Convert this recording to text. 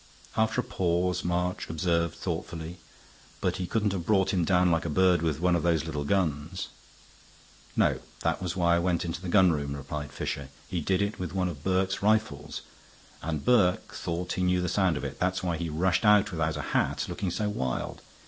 After a pause March observed, thoughtfully, "But he couldn't have brought him down like a bird with one of those little guns." "No; that was why I went into the gun room," replied Fisher. "He did it with one of Burke's rifles, and Burke thought he knew the sound of it. That's why he rushed out without a hat, looking so wild.